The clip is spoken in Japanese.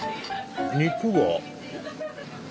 肉が。